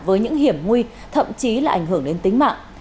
với những hiểm nguy thậm chí là ảnh hưởng đến tính mạng